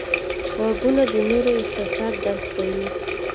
غوږونه د نورو احساسات درک کوي